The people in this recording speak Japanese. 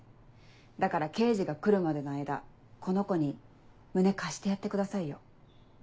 だから刑事が来るまでの間この子に胸貸してやってくださいよ。